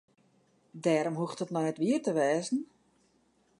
Dêrom hoecht it noch net wier te wêzen.